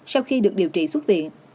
sau khi được điều trị xuất viện